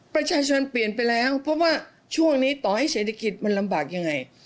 ประชาชนเปลี่ยนไปแล้วเพราะว่าช่วงนี้ต่อให้เศรษฐกิจมันลำบากยังไง